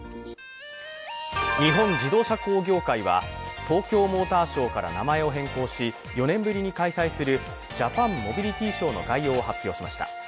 日本自動車工業会は東京モーターショーから名前を変更し４年ぶりに開催するジャパンモビリティショーの概要を発表しました。